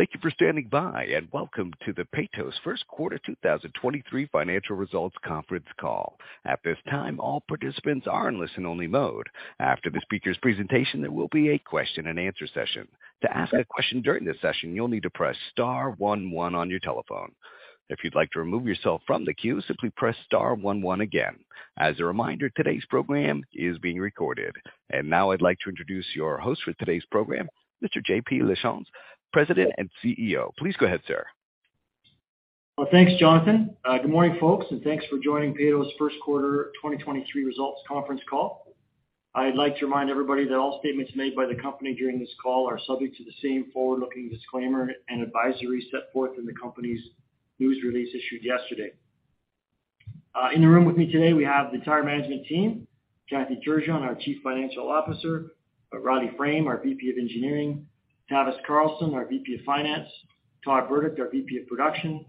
Thank you for standing by. Welcome to the Peyto's First Quarter 2023 Financial results onference Call. At this time, all participants are in listen only mode. After the speaker's presentation, there will be a question and answer session. To ask a question during this session, you'll need to press star 11 on your telephone. If you'd like to remove yourself from the queue, simply press star 11 again. As a reminder, today's program is being recorded. Now I'd like to introduce your host for today's program, Mr. Jean-Paul Lachance, President and CEO. Please go ahead, sir. Well, thanks, Jonathan. Good morning, folks, thanks for joining Peyto's first quarter 2023 results conference call. I'd like to remind everybody that all statements made by the company during this call are subject to the same forward-looking disclaimer and advisory set forth in the company's news release issued yesterday. In the room with me today, we have the entire management team, Kathy Turgeon, our Chief Financial Officer, Riley Frame, our VP of Engineering, Tavis Carlson, our VP of Finance, Todd Burdick, our VP of Production,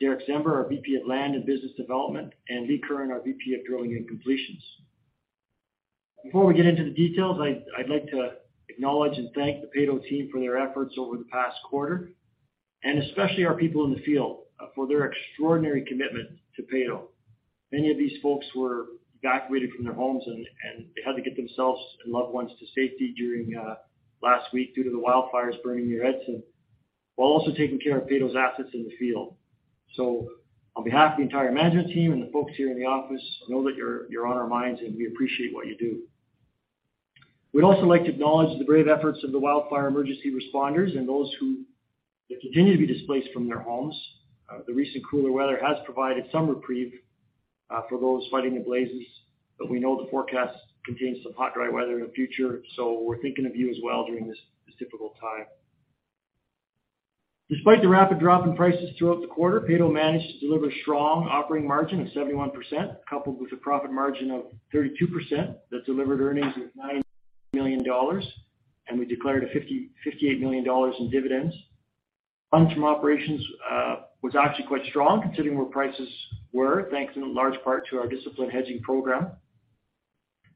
Derick Czember, our VP of Land and Business Development, Lee Curran, our VP of Drilling and Completions. Before we get into the details, I'd like to acknowledge and thank the Peyto team for their efforts over the past quarter, especially our people in the field for their extraordinary commitment to Peyto. Many of these folks were evacuated from their homes and they had to get themselves and loved ones to safety during last week due to the wildfires burning near Edson, while also taking care of Peyto's assets in the field. On behalf of the entire management team and the folks here in the office, know that you're on our minds, and we appreciate what you do. We'd also like to acknowledge the brave efforts of the wildfire emergency responders and those who continue to be displaced from their homes. The recent cooler weather has provided some reprieve for those fighting the blazes, but we know the forecast contains some hot, dry weather in the future, so we're thinking of you as well during this difficult time. Despite the rapid drop in prices throughout the quarter, Peyto managed to deliver strong operating margin of 71%, coupled with a profit margin of 32% that delivered earnings of 9 million dollars. We declared 58 million dollars in dividends. Funds from operations was actually quite strong considering where prices were, thanks in large part to our disciplined hedging program.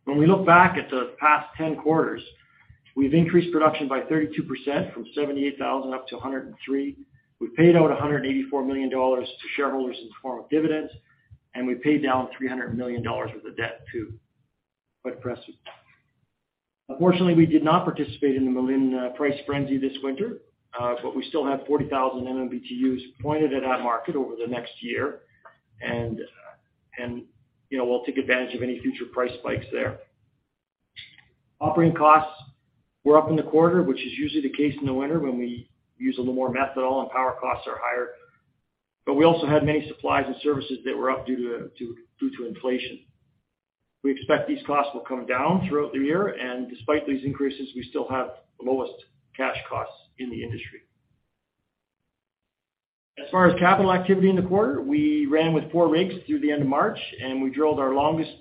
When we look back at the past 10 quarters, we've increased production by 32% from 78,000 up to 103. We paid out 184 million dollars to shareholders in the form of dividends, and we paid down 300 million dollars worth of debt too. Quite impressive. Unfortunately, we did not participate in the Milan price frenzy this winter, but we still have 40,000 MMBtu pointed at that market over the next year. You know, we'll take advantage of any future price spikes there. Operating costs were up in the quarter, which is usually the case in the winter when we use a little more methanol and power costs are higher. We also had many supplies and services that were up due to inflation. We expect these costs will come down throughout the year, and despite these increases, we still have the lowest cash costs in the industry. As far as capital activity in the quarter, we ran with four rigs through the end of March, and we drilled our longest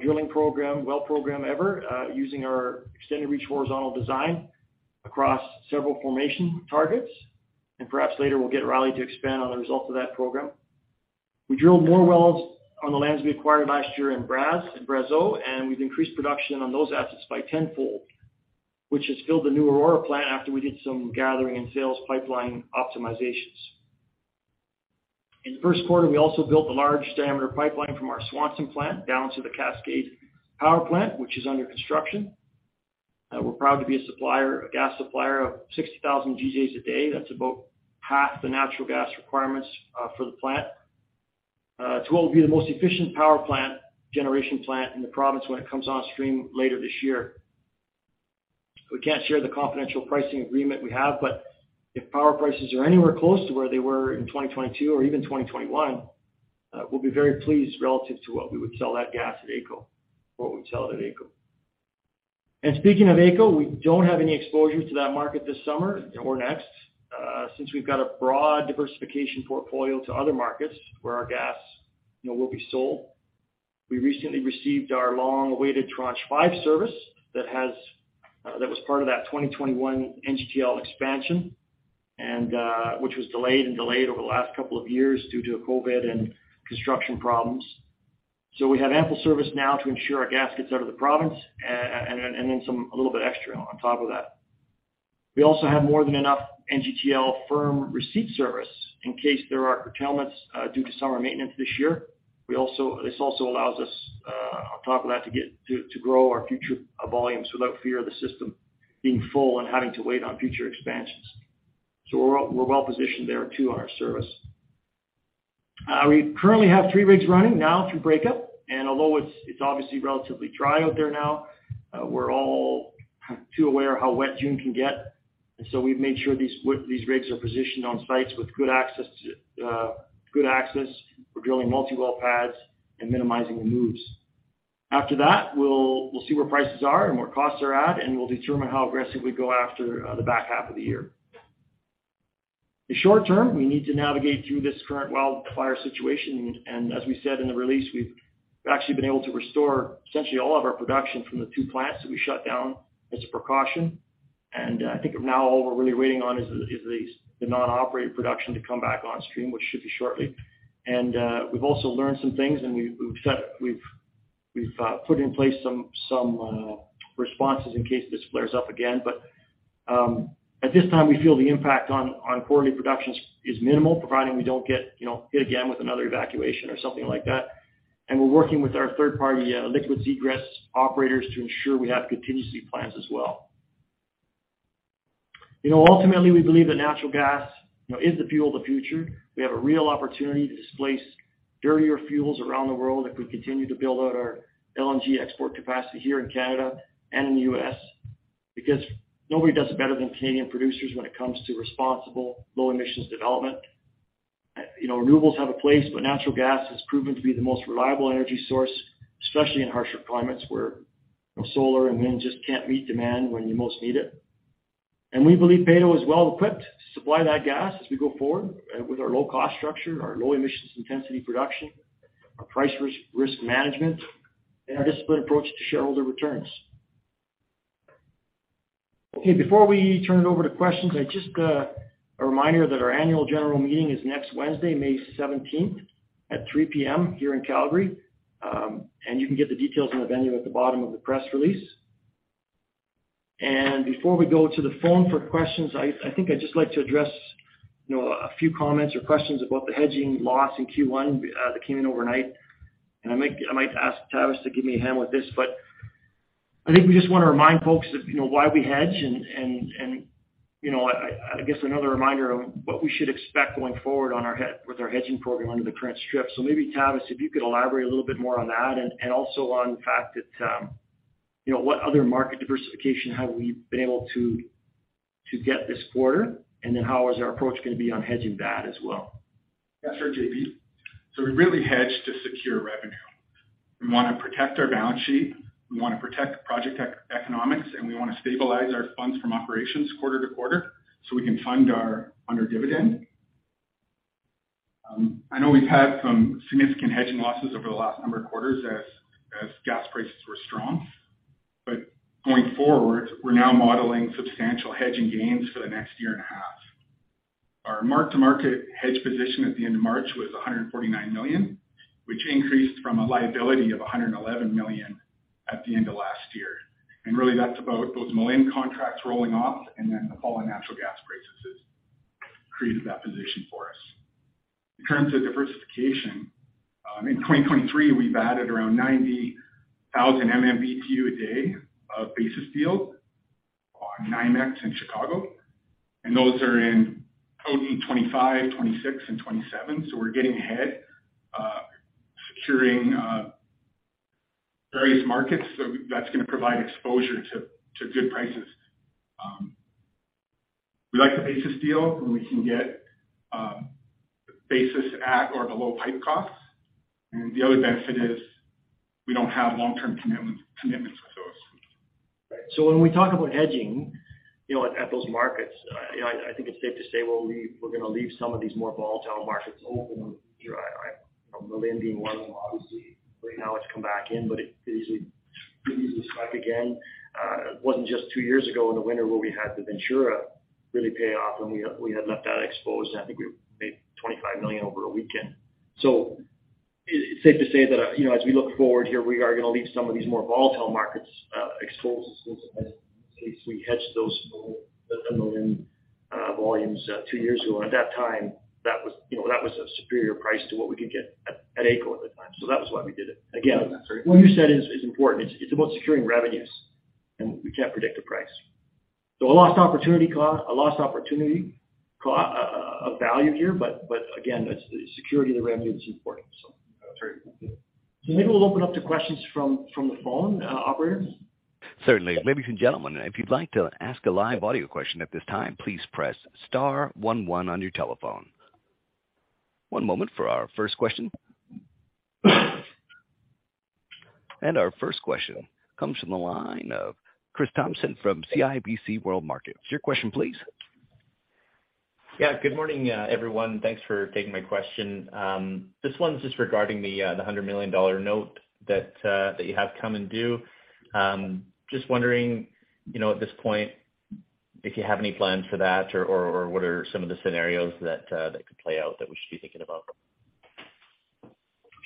drilling program, well program ever, using our Extended Reach Horizontal design across several formation targets. Perhaps later we'll get Riley to expand on the results of that program. We drilled more wells on the lands we acquired last year in Brazeau, we've increased production on those assets by tenfold, which has filled the new Aurora plant after we did some gathering and sales pipeline optimizations. In the first quarter, we also built a large diameter pipeline from our Swanson plant down to the Cascade Power Plant, which is under construction. We're proud to be a gas supplier of 60,000 GJs a day. That's about half the natural gas requirements for the plant. It will be the most efficient power plant, generation plant in the province when it comes on stream later this year. We can't share the confidential pricing agreement we have. If power prices are anywhere close to where they were in 2022 or even 2021, we'll be very pleased relative to what we would sell that gas at AECO. Speaking of AECO, we don't have any exposure to that market this summer or next, since we've got a broad diversification portfolio to other markets where our gas, you know, will be sold. We recently received our long-awaited Tranche five service that was part of that 2021 NGTL expansion, which was delayed over the last couple of years due to COVID and construction problems. We have ample service now to ensure our gas gets out of the province and then some, a little bit extra on top of that. We also have more than enough NGTL firm receipt service in case there are curtailments due to summer maintenance this year. This also allows us on top of that to grow our future volumes without fear of the system being full and having to wait on future expansions. We're well-positioned there too on our service. We currently have three rigs running now through breakup, although it's obviously relatively dry out there now, we're all too aware of how wet June can get. We've made sure these rigs are positioned on sites with good access to good access. We're drilling multi-well pads and minimizing the moves. After that, we'll see where prices are and where costs are at, and we'll determine how aggressive we go after the back half of the year. The short term, we need to navigate through this current wildfire situation, and as we said in the release, we've actually been able to restore essentially all of our production from the two plants that we shut down as a precaution. I think now all we're really waiting on is the non-operated production to come back on stream, which should be shortly. We've also learned some things and we've put in place some responses in case this flares up again. At this time, we feel the impact on quarterly production is minimal, providing we don't get, you know, hit again with another evacuation or something like that. We're working with our third-party liquids egress operators to ensure we have contingency plans as well. You know, ultimately, we believe that natural gas, you know, is the fuel of the future. We have a real opportunity to displace dirtier fuels around the world if we continue to build out our LNG export capacity here in Canada and in the U.S., because nobody does it better than Canadian producers when it comes to responsible low emissions development. You know, renewables have a place, but natural gas has proven to be the most reliable energy source, especially in harsher climates where, you know, solar and wind just can't meet demand when you most need it. We believe Peyto is well equipped to supply that gas as we go forward with our low cost structure, our low emissions intensity production, our price risk management, and our disciplined approach to shareholder returns. Before we turn it over to questions, I just A reminder that our annual general meeting is next Wednesday, May 17th, at 3:00 P.M. here in Calgary. You can get the details on the venue at the bottom of the press release. Before we go to the phone for questions, I think I'd just like to address, you know, a few comments or questions about the hedging loss in Q1 that came in overnight. I might ask Tavis to give me a hand with this. I think we just wanna remind folks of, you know, why we hedge and, you know, I guess another reminder of what we should expect going forward with our hedging program under the current strip. Maybe Tavis, if you could elaborate a little bit more on that and also on the fact that, you know, what other market diversification have we been able to get this quarter, and then how is our approach gonna be on hedging that as well? Yes, sir, JP. We really hedge to secure revenue. We wanna protect our balance sheet, we wanna protect project economics, and we wanna stabilize our funds from operations quarter to quarter, so we can fund on our dividend. I know we've had some significant hedging losses over the last number of quarters as gas prices were strong. Going forward, we're now modeling substantial hedging gains for the next year and a half. Our mark-to-market hedge position at the end of March was 149 million, which increased from a liability of 111 million at the end of last year. Really, that's about those Milan contracts rolling off and then the fall in natural gas prices created that position for us. In terms of diversification, in 2023, we've added around 90,000 MMBtu a day of basis deal on NYMEX in Chicago, and those are in Cadotte 25, 26 and 27. We're getting ahead, securing various markets. That's gonna provide exposure to good prices. We like the basis deal, and we can get basis at or below pipe costs. The other benefit is we don't have long-term commitments with those. Right. When we talk about hedging, you know, at those markets, you know, I think it's safe to say, well, we're gonna leave some of these more volatile markets open. You know, Milan being one obviously. Right now it's come back in, but it could easily spike again. It wasn't just two years ago in the winter where we had the Ventura really pay off, and we had left that exposed, and I think we made 25 million over a weekend. It's safe to say that, you know, as we look forward here, we are gonna leave some of these more volatile markets exposed in case we hedge those Milan volumes two years ago. At that time, that was, you know, that was a superior price to what we could get at AECO at the time. That was why we did it. Again- That's right. What you said is important. It's about securing revenues, and we can't predict the price. A lost opportunity a value here, but again, it's the security of the revenue that's important. That's right. Maybe we'll open up to questions from the phone. Operator. Certainly. Ladies and gentlemen, if you'd like to ask a live audio question at this time, please press star one one on your telephone. One moment for our first question. Our first question comes from the line of Chris Thompson from CIBC World Markets. Your question please. Yeah. Good morning, everyone. Thanks for taking my question. This one's just regarding the 100 million dollar note that you have coming due. Just wondering, you know, at this point, if you have any plans for that or what are some of the scenarios that could play out that we should be thinking about?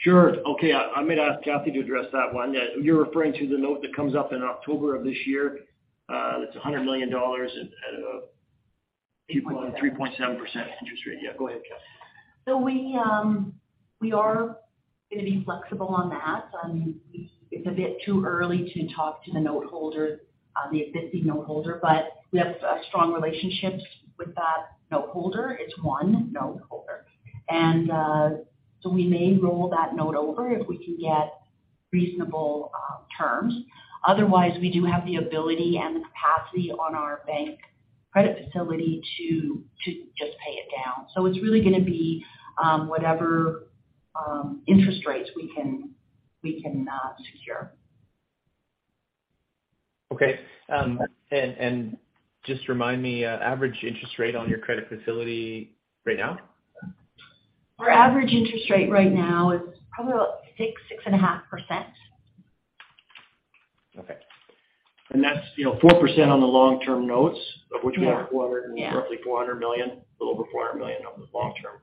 Sure. Okay. I might ask Kathy to address that one. You're referring to the note that comes up in October of this year, that's 100 million dollars at. 3.7. 3.7% interest rate. Yeah. Go ahead, Kathy. We are gonna be flexible on that. It's a bit too early to talk to the noteholder, the existing noteholder, but we have a strong relationship with that noteholder. It's one noteholder. We may roll that note over if we can get reasonable terms. Otherwise, we do have the ability and the capacity on our bank credit facility to just pay it down. It's really gonna be whatever interest rates we can secure. Okay. Just remind me, average interest rate on your credit facility right now? Our average interest rate right now is probably about 6.5%. Okay. That's, you know, 4% on the long-term notes, of which we have roughly 400 million, a little over 400 million on the long term.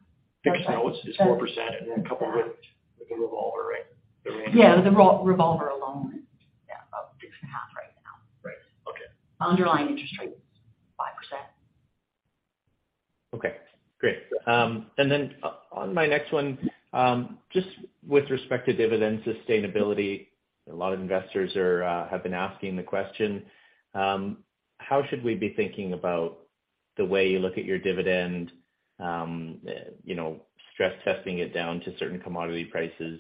Fixed notes is 4% and then coupled with the revolver, right? Yeah. The revolver alone is, about six and a half right now. Right. Okay. Underlying interest rate is 5%. Okay, great. On my next one, just with respect to dividend sustainability, a lot of investors are have been asking the question, how should we be thinking about the way you look at your dividend, you know, stress testing it down to certain commodity prices?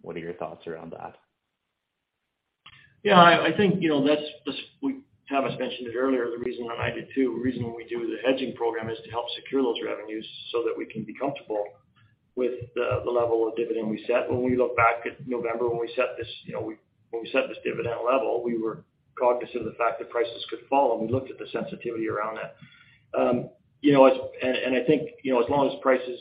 What are your thoughts around that? Yeah, I think, you know, Tavis mentioned it earlier, the reason, and I did too, the reason why we do the hedging program is to help secure those revenues so that we can be comfortable with the level of dividend we set. When we look back at November when we set this, you know, when we set this dividend level, we were cognizant of the fact that prices could fall, and we looked at the sensitivity around that. You know, I think, you know, as long as prices,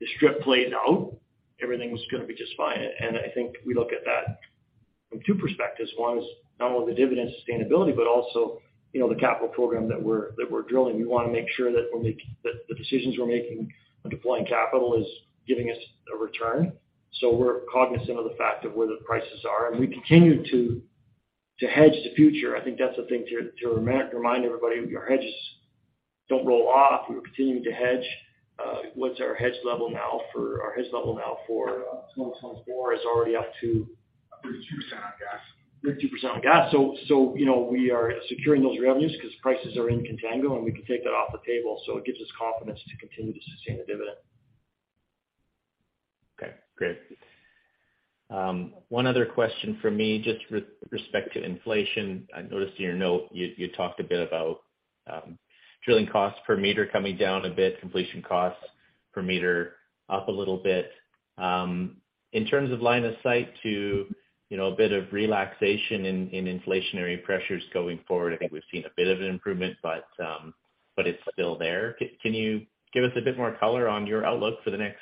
the strip plays out, everything was gonna be just fine. I think we look at that from two perspectives. One is not only the dividend sustainability, but also, you know, the capital program that we're drilling. We wanna make sure that the decisions we're making on deploying capital is giving us a return. We're cognizant of the fact of where the prices are, and we continue to hedge the future. I think that's the thing to remind everybody. Our hedges don't roll off. We're continuing to hedge. Our hedge level now for 2024 is already up to- 32% on gas. 32% on gas. You know, we are securing those revenues 'cause prices are in contango, and we can take that off the table, so it gives us confidence to continue to sustain the dividend. Okay, great. One other question from me, just with respect to inflation. I noticed in your note you talked a bit about drilling costs per meter coming down a bit, completion costs per meter up a little bit. In terms of line of sight to, you know, a bit of relaxation in inflationary pressures going forward, I think we've seen a bit of an improvement, but it's still there. Can you give us a bit more color on your outlook for the next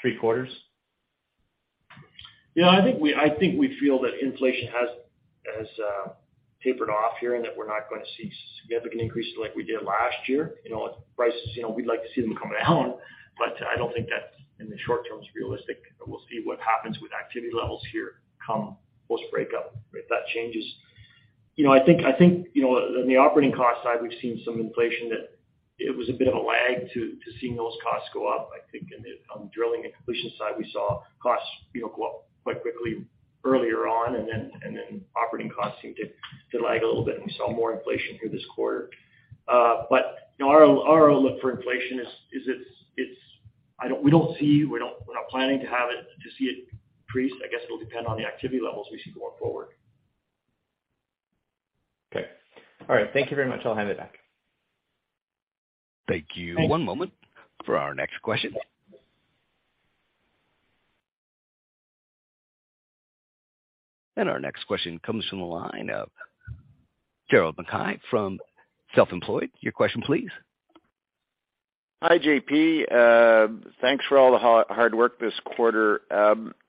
three quarters? You know, I think we feel that inflation has tapered off here and that we're not gonna see significant increases like we did last year. You know, prices, you know, we'd like to see them come down, but I don't think that in the short term is realistic. We'll see what happens with activity levels here come post breakup if that changes. You know, I think, I think, you know, on the operating cost side, we've seen some inflation that it was a bit of a lag to seeing those costs go up. I think on drilling and completion side, we saw costs, you know, go up quite quickly earlier on, and then operating costs seemed to lag a little bit, and we saw more inflation here this quarter. you know, our our outlook for inflation is, it's... we're not planning to have it, to see it increase. I guess it'll depend on the activity levels we see going forward. Okay. All right. Thank you very much. I'll hand it back. Thank you. One moment for our next question. Our next question comes from the line of Jeremy McCrea from Self Employed. Your question, please. Hi, JP. Thanks for all the hard work this quarter.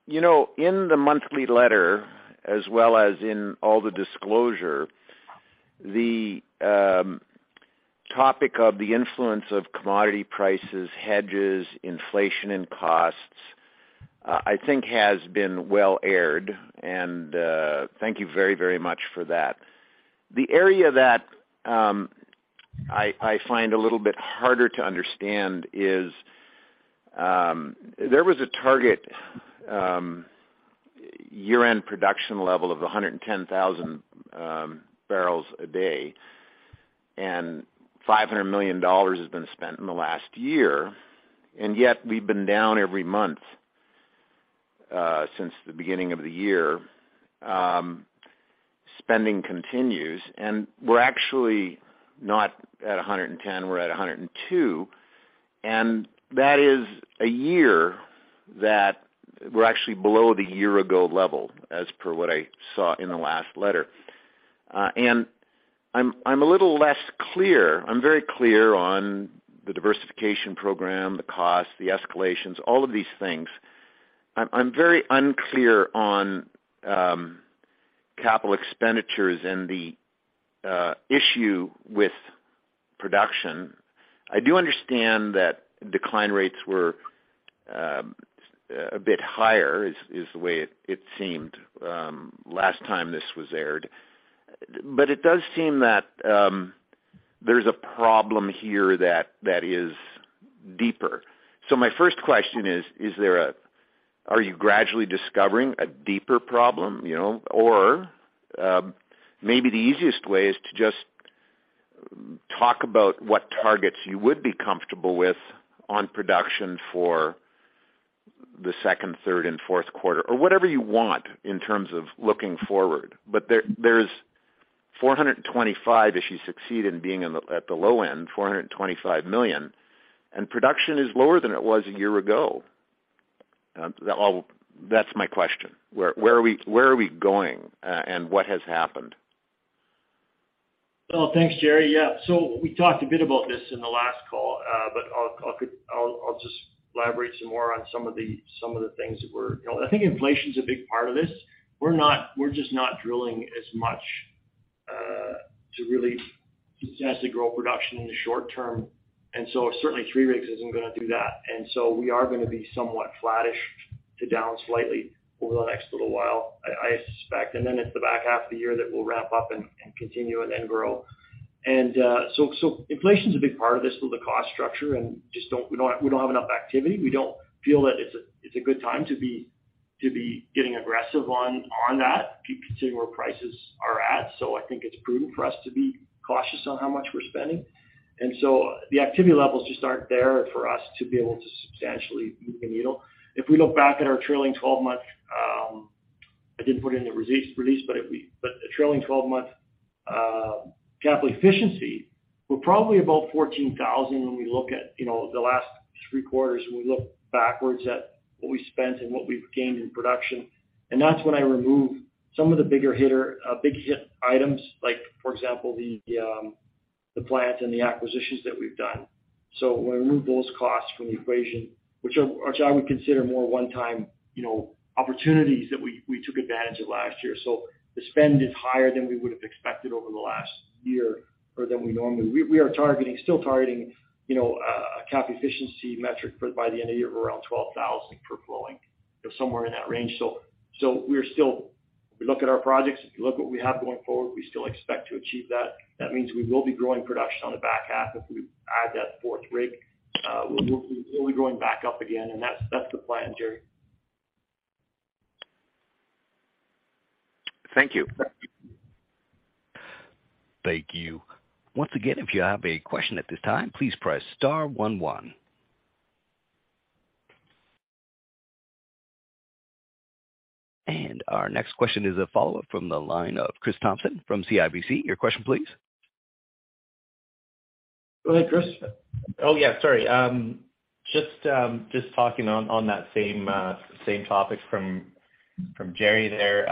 You know, in the monthly letter as well as in all the disclosure, the topic of the influence of commodity prices, hedges, inflation, and costs, I think has been well aired, and thank you very much for that. The area that I find a little bit harder to understand is there was a target year-end production level of 110,000 barrels a day, and 500 million dollars has been spent in the last year, and yet we've been down every month since the beginning of the year. Spending continues, we're actually not at 110, we're at 102, and that is a year that we're actually below the year-ago level as per what I saw in the last letter. I'm a little less clear. I'm very clear on the diversification program, the cost, the escalations, all of these things. I'm very unclear on capital expenditures and the issue with production. I do understand that decline rates were a bit higher, is the way it seemed last time this was aired. It does seem that there's a problem here that is deeper. My first question is, are you gradually discovering a deeper problem, you know? Maybe the easiest way is to just talk about what targets you would be comfortable with on production for the second, third, and fourth quarter or whatever you want in terms of looking forward. There, there's 425 if you succeed in being at the low end, 425 million, and production is lower than it was a year ago. That's my question. Where are we, where are we going, and what has happened? Well, thanks, Jerry. Yeah. So we talked a bit about this in the last call, but I'll just elaborate some more on some of the things that we're, you know. I think inflation's a big part of this. We're just not drilling as much to really substantially grow production in the short term. Certainly three rigs isn't gonna do that. We are gonna be somewhat flattish to down slightly over the next little while, I suspect. Then it's the back half of the year that we'll wrap up and continue and then grow. So inflation's a big part of this with the cost structure and just we don't have enough activity. We don't feel that it's a good time to be getting aggressive on that considering where prices are at. I think it's prudent for us to be cautious on how much we're spending. The activity levels just aren't there for us to be able to substantially move the needle. If we look back at our trailing 12-month, I didn't put it in the release, but the trailing 12-month Capital Efficiency, we're probably about 14,000 when we look at, you know, the last three quarters, when we look backwards at what we spent and what we've gained in production. That's when I remove some of the bigger hitter, big hit items like, for example, the plants and the acquisitions that we've done. When we remove those costs from the equation, which are, which I would consider more one-time, you know, opportunities that we took advantage of last year. The spend is higher than we would have expected over the last year or than we normally. We are targeting, still targeting, you know, a Capital Efficiency metric for by the end of the year of around 12,000 per flowing or somewhere in that range. We're still. If we look at our projects, if you look what we have going forward, we still expect to achieve that. That means we will be growing production on the back half. If we add that fourth rig, we'll be growing back up again, and that's the plan, Jerry. Thank you. Thank you. Once again, if you have a question at this time, please press star one one. Our next question is a follow-up from the line of Chris Thompson from CIBC. Your question please. Go ahead, Chris. Oh, yeah, sorry. Just talking on that same topic from Jerry there.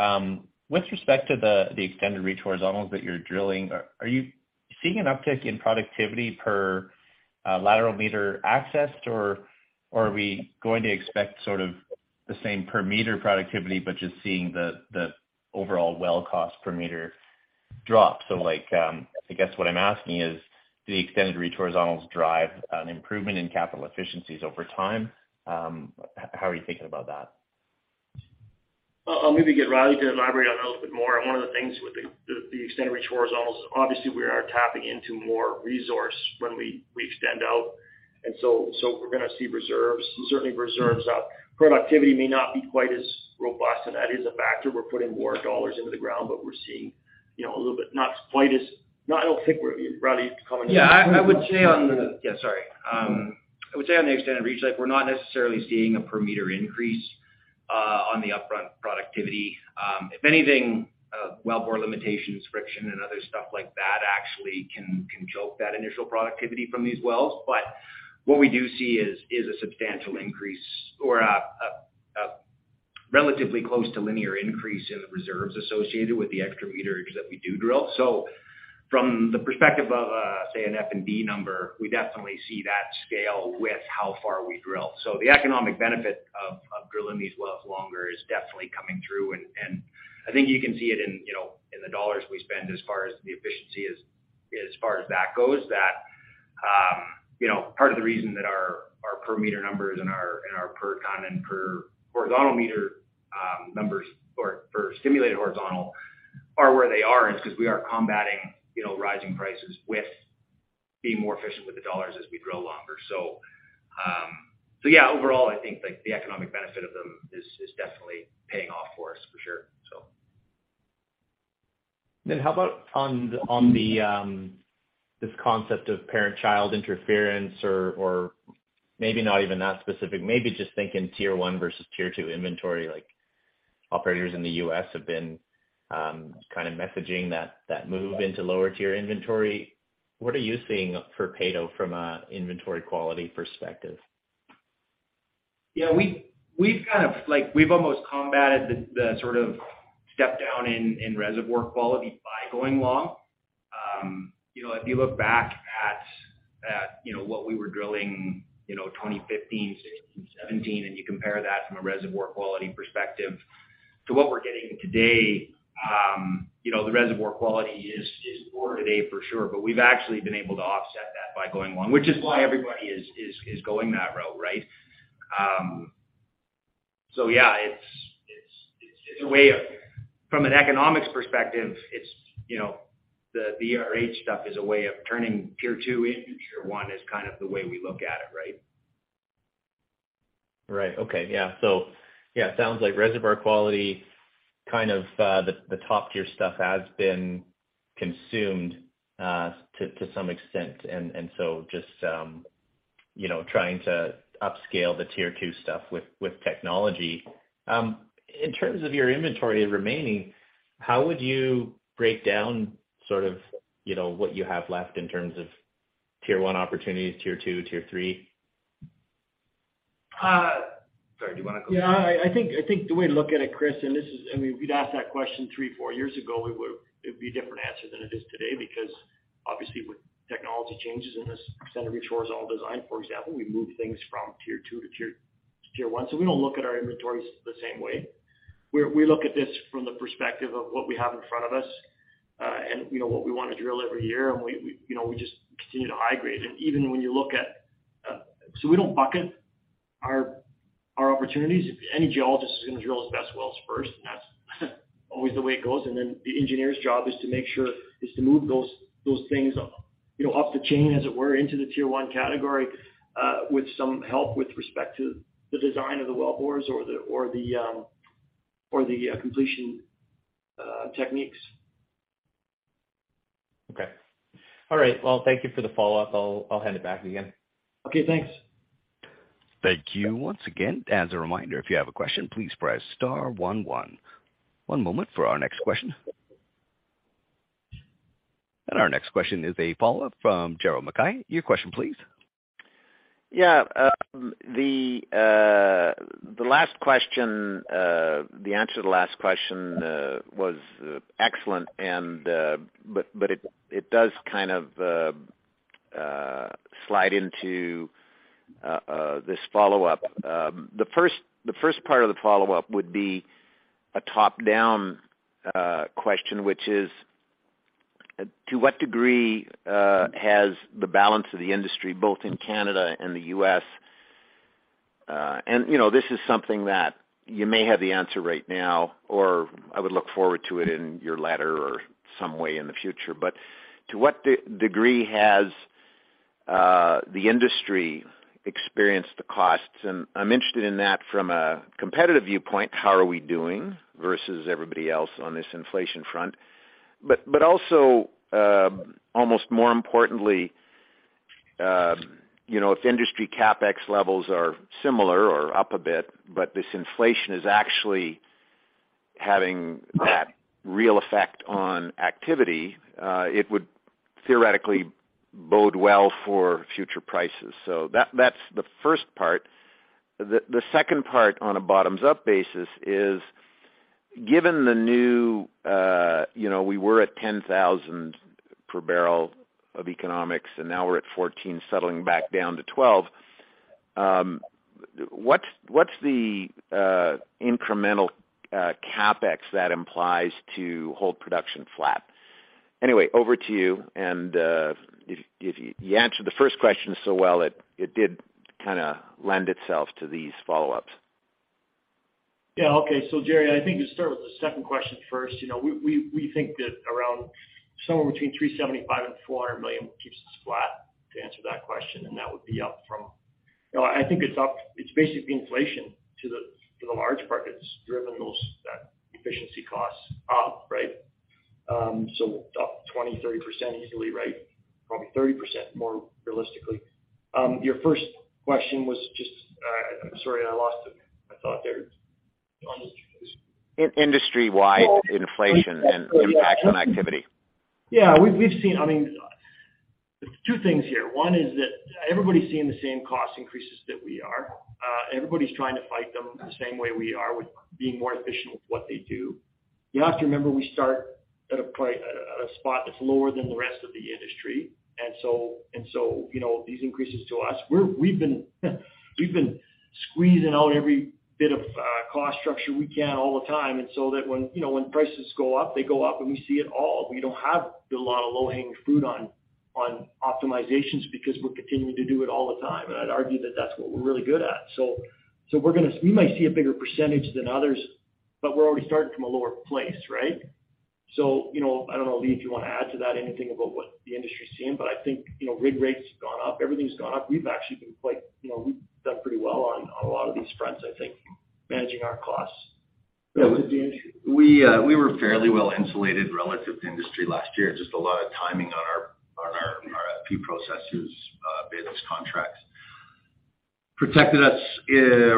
With respect to the Extended Reach Horizontals that you're drilling, are you seeing an uptick in productivity per lateral meter accessed, or are we going to expect sort of the same per meter productivity but just seeing the overall well cost per meter drop? I guess what I'm asking is, do the Extended Reach Horizontals drive an improvement in Capital Efficiencies over time? How are you thinking about that? I'll maybe get Riley to elaborate on it a little bit more. One of the things with the Extended Reach Horizontals is obviously we are tapping into more resource when we extend out, so we're gonna see reserves, certainly reserves up. Productivity may not be quite as robust, and that is a factor. We're putting more CAD into the ground, but we're seeing, you know, a little bit not quite as. Riley, you can comment on that. Sorry. I would say on the Extended Reach, like, we're not necessarily seeing a per meter increase on the upfront productivity. If anything, wellbore limitations, friction and other stuff like that actually can choke that initial productivity from these wells. What we do see is a substantial increase or a relatively close to linear increase in the reserves associated with the extra meterages that we do drill. From the perspective of, say an F&D number, we definitely see that scale with how far we drill. The economic benefit of drilling these wells longer is definitely coming through. I think you can see it in, you know, in the CAD we spend as far as the efficiency is, as far as that goes, that, you know, part of the reason that our per meter numbers and our, and our per common, per horizontal meter, numbers or for Stimulated Horizontal are where they are is because we are combating, you know, rising prices with being more efficient with the CAD as we drill longer. Yeah, overall, I think, like, the economic benefit of them is definitely paying off for us, for sure. How about on the this concept of parent-child interference or maybe not even that specific, maybe just thinking tier one versus tier two inventory, like operators in the U.S. have been, kind of messaging that move into lower tier inventory. What are you seeing for Peyto from an inventory quality perspective? Like, we've almost combated the sort of step down in reservoir quality by going long. You know, if you look back at, you know, what we were drilling, you know, 2015, 2016, 2017, and you compare that from a reservoir quality perspective to what we're getting today, you know, the reservoir quality is lower today for sure, but we've actually been able to offset that by going long, which is why everybody is going that route, right? Yeah, it's a way of... From an economics perspective, it's, you know, the ERH stuff is a way of turning tier two into tier one is kind of the way we look at it, right? Right. Okay. Yeah. Yeah, it sounds like reservoir quality, kind of, the top tier stuff has been consumed, to some extent. Just, you know, trying to upscale the tier two stuff with technology. In terms of your inventory remaining, how would you break down sort of, you know, what you have left in terms of tier one opportunities, tier two, tier three? Uh- Sorry, do you wanna go? Yeah, I think the way to look at it, Chris, I mean, if you'd asked that question three, four years ago, it would be a different answer than it is today because obviously with technology changes in this center of horizontal design, for example, we moved things from tier two to tier one. We don't look at our inventories the same way. We look at this from the perspective of what we have in front of us, and, you know, what we want to drill every year. We, you know, we just continue to high grade. We don't bucket our opportunities. If any geologist is going to drill his best wells first, and that's always the way it goes. The engineer's job is to move those things, you know, up the chain, as it were, into the tier one category, with some help with respect to the design of the wellbores or the, or the, or the completion techniques. Okay. All right. Well, thank you for the follow-up. I'll hand it back again. Okay, thanks. Thank you once again. As a reminder, if you have a question, please press star one one. One moment for our next question. Our next question is a follow-up from Jeremy McCrea. Your question, please. Yeah. The, the last question, the answer to the last question, was excellent, and, but it does kind of, slide into, this follow-up. The first, the first part of the follow-up would be a top-down, question, which is, to what degree, has the balance of the industry, both in Canada and the US... You know, this is something that you may have the answer right now, or I would look forward to it in your letter or some way in the future. To what degree has the industry experienced the costs? I'm interested in that from a competitive viewpoint, how are we doing versus everybody else on this inflation front? Also, almost more importantly, you know, if industry CapEx levels are similar or up a bit, this inflation is actually having that real effect on activity, it would theoretically bode well for future prices. That's the first part. The second part on a bottoms-up basis is, given the new, you know, we were at 10,000 per barrel of economics, and now we're at 14, settling back down to 12. What's the incremental CapEx that implies to hold production flat? Anyway, over to you. If you answered the first question so well, it did kinda lend itself to these follow-ups. Yeah. Okay. Jerry, I think to start with the second question first. You know, we think that around somewhere between 375 million and 400 million keeps us flat, to answer that question, and that would be up from... You know, I think it's up, it's basically the inflation to the, to the large part that's driven that efficiency costs up, right? Up 20%, 30% easily, right? Probably 30% more realistically. Your first question was just... I'm sorry, I lost it. I thought there- In industry-wide inflation and impact on activity. Yeah. We've seen, I mean, two things here. One is that everybody's seeing the same cost increases that we are. Everybody's trying to fight them the same way we are with being more efficient with what they do. You have to remember, we start at a spot that's lower than the rest of the industry. You know, these increases to us, we've been squeezing out every bit of cost structure we can all the time, and so that when, you know, when prices go up, they go up, and we see it all. We don't have a lot of low-hanging fruit on optimizations because we're continuing to do it all the time. I'd argue that that's what we're really good at. We might see a bigger percentage than others, We're already starting from a lower place, right? You know, I don't know, Lee, if you wanna add to that, anything about what the industry's seeing. I think, you know, rig rates have gone up. Everything's gone up. We've actually been quite... You know, we've done pretty well on a lot of these fronts, I think, managing our costs. Yeah. With the industry. We were fairly well insulated relative to industry last year. Just a lot of timing on our FP&A processes, business contracts. Protected us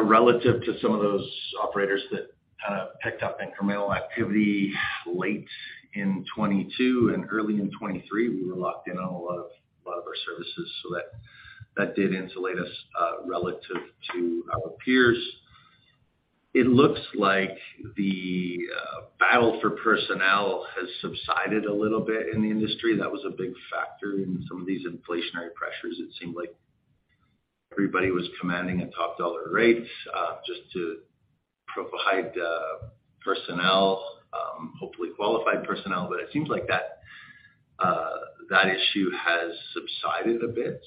relative to some of those operators that kinda picked up incremental activity late in 2022 and early in 2023. We were locked in on a lot of our services, so that did insulate us relative to our peers. It looks like the battle for personnel has subsided a little bit in the industry. That was a big factor in some of these inflationary pressures. It seemed like everybody was commanding a top dollar rates just to provide personnel, hopefully qualified personnel. It seems like that issue has subsided a bit.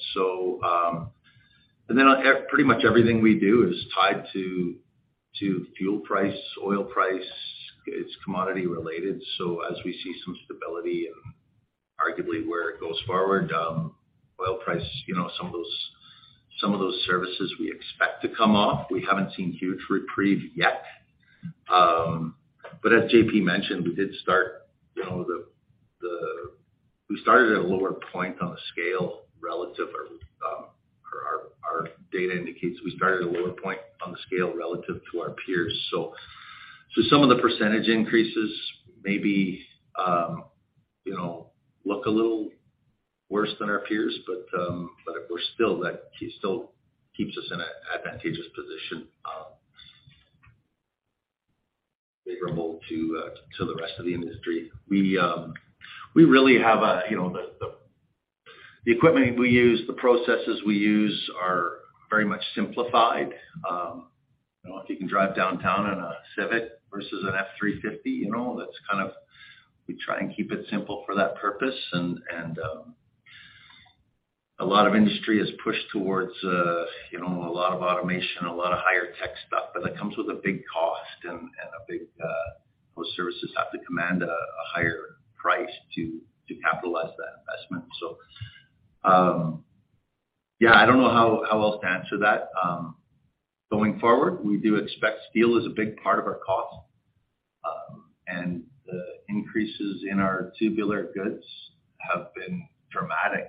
Then pretty much everything we do is tied to fuel price, oil price. It's commodity related. As we see some stability and arguably where it goes forward, oil price, you know, some of those, some of those services we expect to come off. We haven't seen huge reprieve yet. But as J.P. mentioned, we did start, you know, We started at a lower point on the scale relative or, our data indicates we started at a lower point on the scale relative to our peers. So some of the % increases maybe, you know, look a little worse than our peers, but of course, still that, it still keeps us in a advantageous position, favorable to the rest of the industry. We really have a... You know, the equipment we use, the processes we use are very much simplified. You know, if you can drive downtown on a Civic versus an F-350, you know, that's kind of we try and keep it simple for that purpose. A lot of industry has pushed towards, you know, a lot of automation, a lot of higher tech stuff, but that comes with a big cost and a big. Those services have to command a higher price to capitalize that investment. Yeah, I don't know how else to answer that. Going forward, we do expect steel is a big part of our cost. The increases in our tubular goods have been dramatic.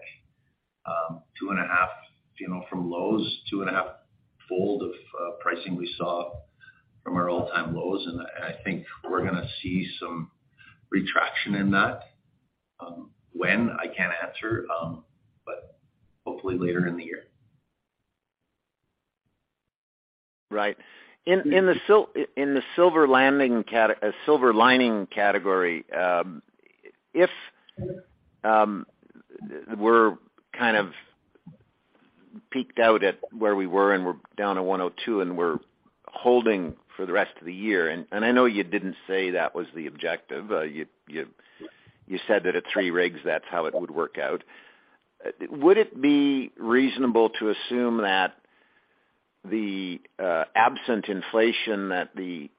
2.5, you know, from lows, 2.5-fold of pricing we saw from our all-time lows. I think we're gonna see some retraction in that. When? I can't answer. Hopefully later in the year. Right. In the silver lining category, if we're kind of peaked out at where we were and we're down to 102 and we're holding for the rest of the year, and I know you didn't say that was the objective. You said that at three rigs that's how it would work out. Would it be reasonable to assume that the absent inflation, that the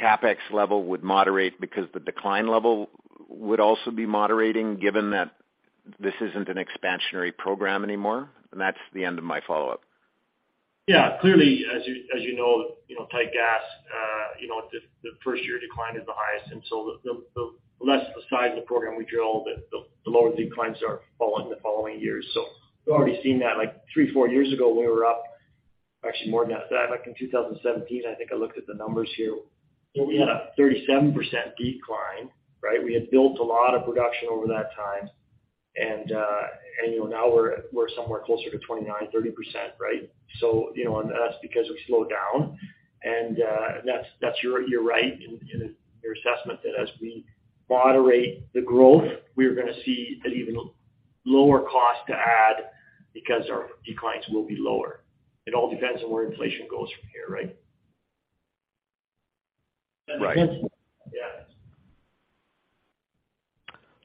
CapEx level would moderate because the decline level would also be moderating, given that this isn't an expansionary program anymore? That's the end of my follow-up. Yeah. Clearly, as you, as you know, you know, tight gas, you know, the first year decline is the highest. The less the size of the program we drill, the lower the declines are following, the following years. We've already seen that, like three, four years ago. Actually, more than that. Back in 2017, I think I looked at the numbers here. We had a 37% decline, right? We had built a lot of production over that time. You know, now we're somewhere closer to 29%, 30%, right? You know, that's because we've slowed down. That's, you're right in your assessment that as we moderate the growth, we're gonna see an even lower cost to add because our declines will be lower. It all depends on where inflation goes from here, right? Right. Yeah.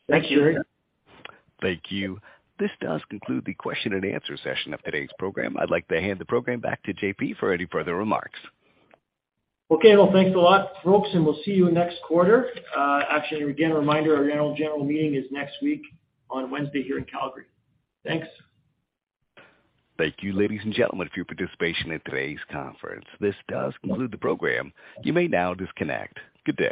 Thanks, Jerry Thank you. This does conclude the question and answer session of today's program. I'd like to hand the program back to JP for any further remarks. Okay. Well, thanks a lot, folks, and we'll see you next quarter. Actually, again, a reminder, our annual general meeting is next week on Wednesday here in Calgary. Thanks. Thank you, ladies and gentlemen, for your participation in today's conference. This does conclude the program. You may now disconnect. Good day.